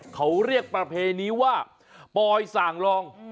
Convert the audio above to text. เขาเรียกประเพณีว่าปอยส่างรอง